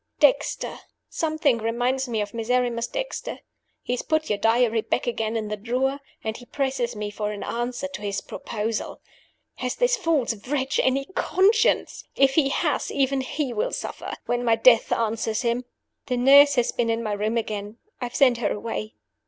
"Dexter something reminds me of Miserrimus Dexter. He has put your Diary back again in the drawer, and he presses me for an answer to his proposals. Has this false wretch any conscience? If he has, even he will suffer when my death answers him. "The nurse has been in my room again. I have sent her away.